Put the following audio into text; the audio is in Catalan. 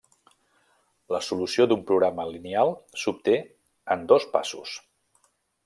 La solució d'un programa lineal s'obté en dos passos.